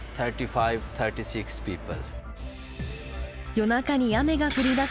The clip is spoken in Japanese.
夜中に雨が降りだす